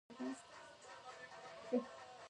هر ستوری د خپل مدار سره یو ځانګړی ځای لري.